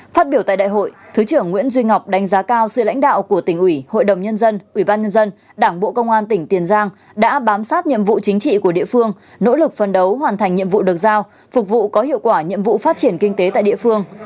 phát biểu tại đại hội thứ trưởng nguyễn duy ngọc đánh giá cao sự lãnh đạo của tỉnh ủy hội đồng nhân dân ủy ban nhân dân đảng bộ công an tỉnh tiền giang đã bám sát nhiệm vụ chính trị của địa phương nỗ lực phân đấu hoàn thành nhiệm vụ được giao phục vụ có hiệu quả nhiệm vụ phát triển kinh tế tại địa phương